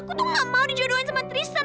aku tuh gak mau dijodohin sama trister